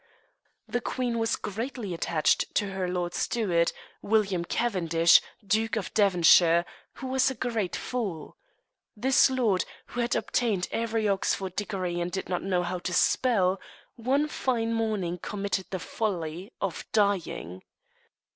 The queen was greatly attached to her Lord Steward, William Cavendish, Duke of Devonshire, who was a great fool. This lord, who had obtained every Oxford degree and did not know how to spell, one fine morning committed the folly of dying.